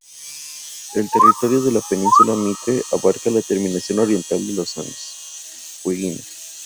El territorio de la península Mitre abarca la terminación oriental de los Andes fueguinos.